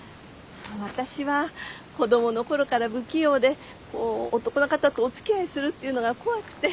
私は子供の頃から不器用で男の方とおつきあいするっていうのが怖くて。